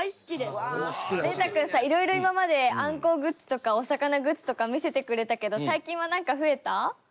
伶汰君さいろいろ今までアンコウグッズとかお魚グッズとか見せてくれたけど最近はなんか増えた？